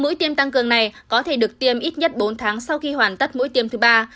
mũi tiêm tăng cường này có thể được tiêm ít nhất bốn tháng sau khi hoàn tất mũi tiêm thứ ba